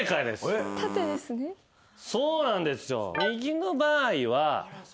そうなんですよ。